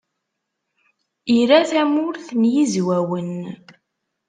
Ira Tamurt n Yizwawen.